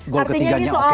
gol ketiganya oke